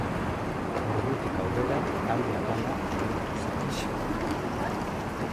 Ordutik aurrera talde apala bihurtu zen.